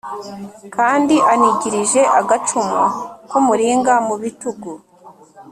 kandi anigirije agacumu k’umuringa mu bitugu.